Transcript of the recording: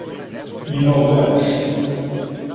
И много лепши.